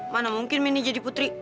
mana mungkin mini jadi putri